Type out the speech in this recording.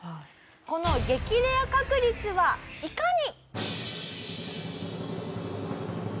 この激レア確率はいかに！？